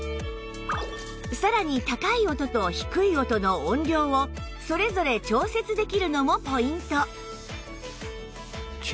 さらに高い音と低い音の音量をそれぞれ調節できるのもポイント